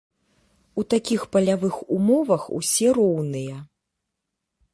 У такіх палявых умовах ўсе роўныя.